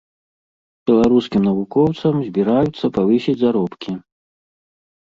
Беларускім навукоўцам збіраюцца павысіць заробкі.